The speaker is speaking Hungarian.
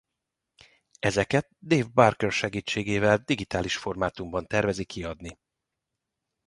Ezeket Dave Barker segítségével digitális formátumban tervezi kiadni.